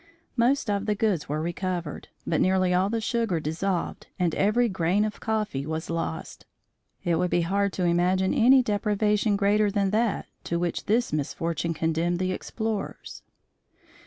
Most of the goods were recovered, but nearly all the sugar dissolved and every grain of coffee was lost. It would be hard to imagine any deprivation greater than that to which this misfortune condemned the explorers.